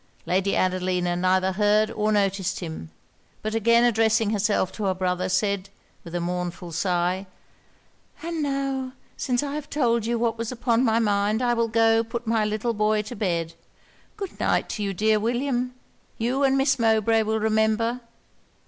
Lady Adelina neither heard or noticed him: but again addressing herself to her brother, said, with a mournful sigh 'And now, since I have told you what was upon my mind, I will go put my little boy to bed. Good night to you, dear William! You and Miss Mowbray will remember!